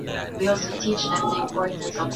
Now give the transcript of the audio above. Jamhuri ya Kidemokrasia ya Kongo yatoa ‘ushahidi’